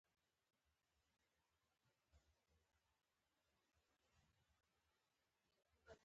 ډېر لوړ وو.